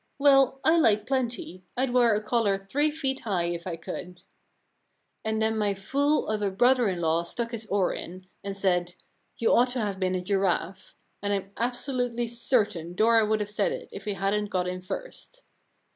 " Well, I like plenty. Fd wear a collar three feet high if I could.' * And then my fool of a brother in law stuck his oar in, and said, You ought to have been a giraffe ; and Fm absolutely certain Dora would have said it if he hadn't got in first.'